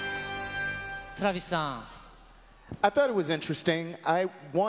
Ｔｒａｖｉｓさん。